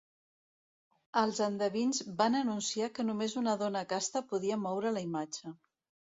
Els endevins van anunciar que només una dona casta podria moure la imatge.